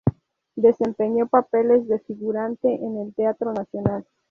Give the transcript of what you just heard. Desempeñó papeles de figurante en el Teatro Nacional.